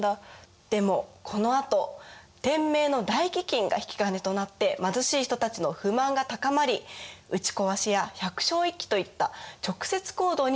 でもこのあと天明の大飢饉が引き金となって貧しい人たちの不満が高まり打ちこわしや百姓一揆といった直接行動に出るんです。